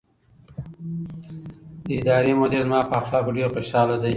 د ادارې مدیر زما په اخلاقو ډېر خوشحاله دی.